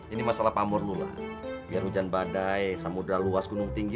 ini masalah pamur lula biar hujan badai samudera luas gunung tinggi